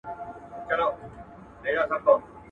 د سپیني خولې دي څونه ټک سو.